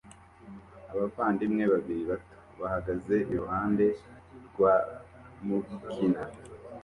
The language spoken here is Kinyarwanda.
Abavandimwe babiri bato bahagaze iruhande rwabo mukina